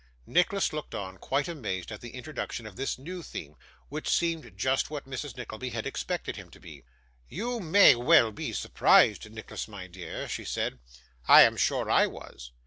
Nicholas looked on, quite amazed at the introduction of this new theme. Which seemed just what Mrs. Nickleby had expected him to be. 'You may well be surprised, Nicholas, my dear,' she said, 'I am sure I was.